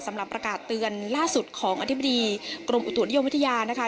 สำหรับประกาศเตือนล่าสุดของอธิบดีกรมอุตุนิยมวิทยานะคะ